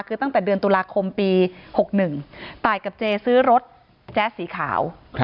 คือตั้งแต่เดือนตุลาคมปี๖๑ตายกับเจซื้อรถแจ๊สสีขาว